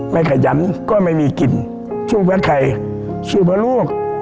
ไม่ขยันก็ไม่มีกลิ่นช่วยแพ้ไข่ช่วยแพ้ลูก